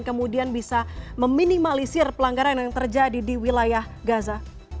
kemudian bisa meminimalisir pelanggaran yang terjadi di wilayah gaza